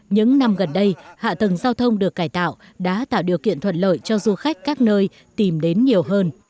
những năm gần đây hạ tầng giao thông được cải tạo đã tạo điều kiện thuận lợi cho du khách các nơi tìm đến nhiều hơn